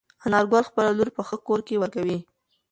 انارګل خپله لور په ښه کور کې ورکوي.